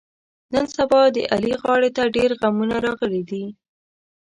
نن سبا د علي غاړې ته ډېرغمونه راغلي دي.